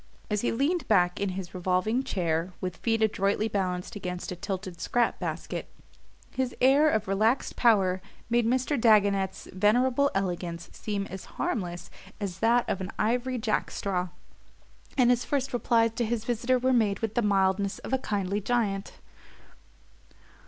As he leaned back in his revolving chair, with feet adroitly balanced against a tilted scrap basket, his air of relaxed power made Mr. Dagonet's venerable elegance seem as harmless as that of an ivory jack straw and his first replies to his visitor were made with the mildness of a kindly giant.